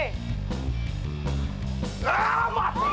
kau mau siu